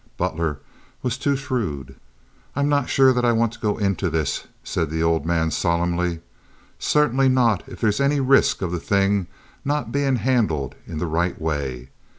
Butler was too shrewd. "I'm not so sure that I want to go into this," said the old man solemnly. "Certainly not if there's any risk of the thing not being handled in the right way.